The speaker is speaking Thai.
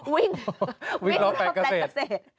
วิ่งรอบแปลงเกษตร